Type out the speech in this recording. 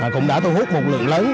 cũng đã thu hút một lượng lớn